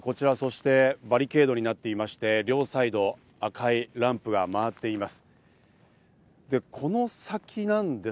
そしてこちら、バリケードになっていまして両サイド、赤いランプが回っています。